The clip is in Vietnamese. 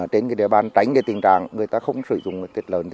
trên địa bàn tránh tình trạng người ta không sử dụng thịt lợn